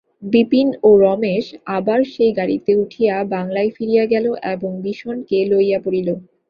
বিপিন ও রমেশ আবার সেই গাড়িতে উঠিয়া বাংলায় ফিরিয়া গেল এবং বিষনকে লইয়া পড়িল।